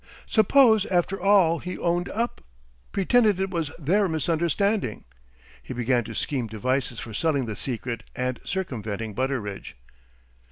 Suppose after all he owned up? Pretended it was their misunderstanding? He began to scheme devices for selling the secret and circumventing Butteridge.